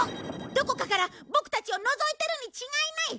どこかからボクたちをのぞいてるに違いない！